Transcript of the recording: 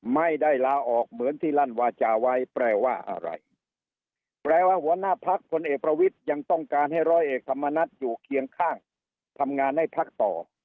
ไม่ได้ลาออกเหมือนที่ลั่นวาจาไว้แปลว่าอะไรแปลว่าหัวหน้าพักพลเอกประวิทย์ยังต้องการให้ร้อยเอกธรรมนัฐอยู่เคียงข้างทำงานให้พักต่อ